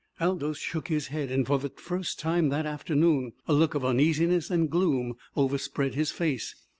Aldous shook his head, and for the first time that afternoon a look of uneasiness and gloom overspread his face.